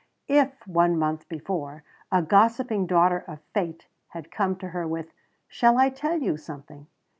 If, one month before, a gossiping daughter of Fate had come to her with "Shall I tell you something?